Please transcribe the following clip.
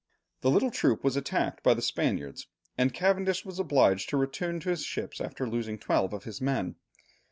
The little troop was attacked by the Spaniards, and Cavendish was obliged to return to his ships after losing twelve of his men.